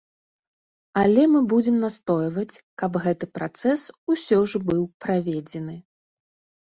Але мы будзем настойваць, каб гэты працэс усё ж быў праведзены.